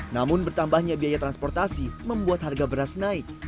namun bertambahnya biaya transportasi membuat harga beras naik